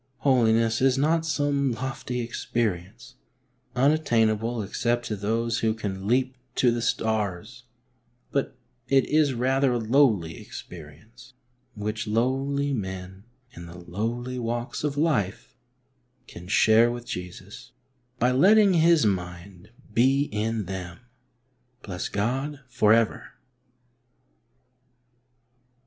Holiness is not some lofty experience, unattainable except to those who can leap to the stars, but it is rathei a lowly experience, which lowly men in the lowly walks of life can share with Jesus, by letting His mind be in them. Bless God for ever